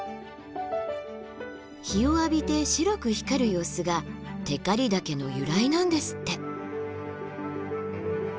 日を浴びて白く光る様子が「テカリ岳」の由来なんですって。